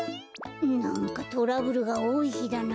なんかトラブルがおおいひだな。